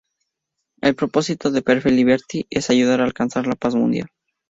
El propósito de Perfect Liberty, es "ayudar a alcanzar la Paz Mundial".